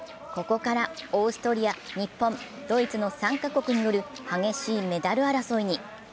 ここからオーストリア、日本、ドイツの３カ国による激しいメダル争いに。